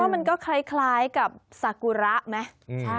คือเฉพาะมันก็คล้ายกับสากุระไหม